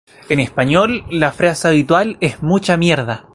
En español, la frase habitual es ""mucha mierda"".